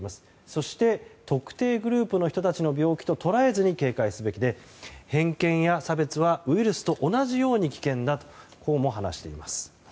そして特定グループの人たちの病気と捉えずに警戒すべきで偏見や差別はウイルスと同じように危険だと話しています。